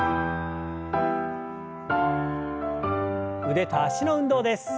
腕と脚の運動です。